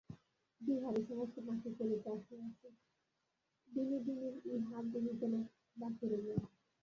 বিহারী সমস্ত মাটি করিতে আসিয়াছে, বিনোদিনীর ইহা বুঝিতে বাকি রহিল না।